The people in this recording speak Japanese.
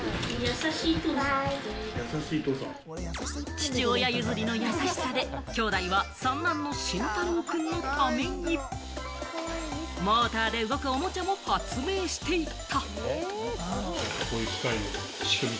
父親譲りの優しさで、兄弟は３男の真太郎くんのためにモーターで動くおもちゃも発明していた。